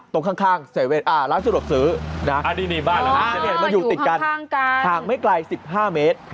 ตรงข้างร้านสะดวกซื้อมาอยู่ติดกันทางไม่ไกล๑๕เมตร